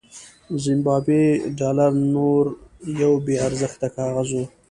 زیمبابويي ډالر نور یو بې ارزښته کاغذ و.